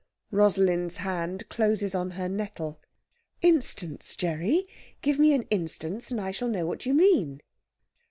Rosalind's hand closes on her nettle. "Instance, Gerry! give me an instance, and I shall know what you mean."